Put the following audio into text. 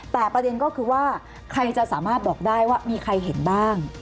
แต่ประเด็นก็คือว่าใครจะสามารถบอกได้ว่ามีใครเห็นบ้าง